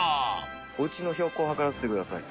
お家の標高測らせてください。